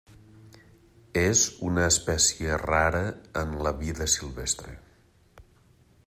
És una espècie rara en la vida silvestre.